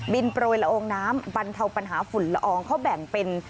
โปรยละอองน้ำบรรเทาปัญหาฝุ่นละอองเขาแบ่งเป็น